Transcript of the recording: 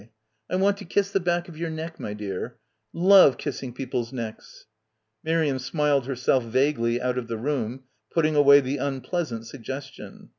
"I want to kiss the back of your neck, my dear; love kissing people's necks." Miriam smiled herself vaguely out of the room, putting away the unpleasant suggestion.